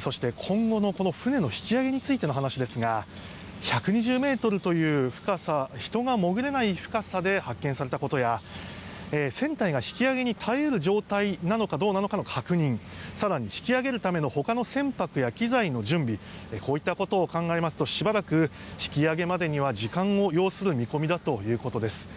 そして、今後の船の引き揚げについての話ですが１２０ｍという人が潜れない深さで発見されたことや船体が引き揚げに耐え得る状態かどうかの確認更に引き揚げるための他の船舶や機材の準備こういったことを考えますとしばらく引き揚げまでには時間を要する見込みだということです。